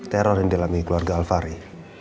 teror yang dialami keluarga alfari